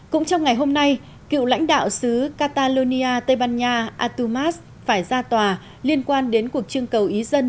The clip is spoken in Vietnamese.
cũng trong ngày hôm nay cựu lãnh đạo xứ catalonia tây ban nha atumas phải ra tòa liên quan đến cuộc trưng cầu ý dân